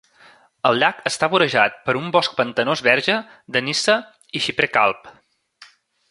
El llac està vorejat per un bosc pantanós verge de nyssa i xiprer calb.